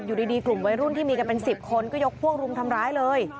อยู่ดีกลุ่มวัยรุ่นที่มีกันเป็น๑๐คนก็ยกพวกรุมทำร้ายเลย